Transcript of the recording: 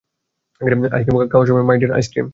Ice cream খাওয়ার সময়, my dear - ice cream?